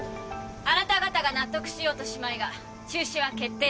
あなた方が納得しようとしまいが中止は決定です。